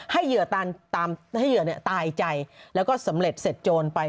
ให้เหยื่อตายใจแล้วก็สำเร็จเสร็จโจนไป